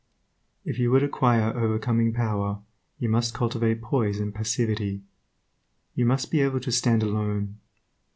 If you would acquire overcoming power you must cultivate poise and passivity. You must be able to stand alone.